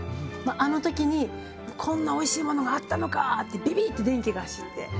あの時に「こんなおいしいものがあったのか」ってビビッて電気が走って。